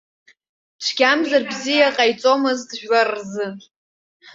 Цәгьамзар бзиа ҟаиҵомызт жәлар рзы!